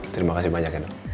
terima kasih banyak rena